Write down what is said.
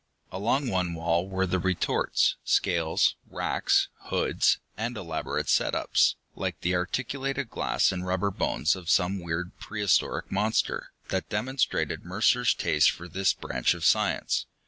Along one wall were the retorts, scales, racks, hoods and elaborate set ups, like the articulated glass and rubber bones of some weird prehistoric monster, that demonstrated Mercer's taste for this branch of science.